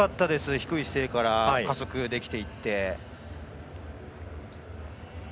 低い姿勢から加速できていって。